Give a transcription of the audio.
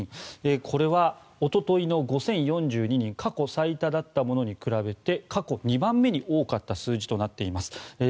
これはおとといの５０４２人過去最多だったものに比べて過去２番目に多かった数字となっています。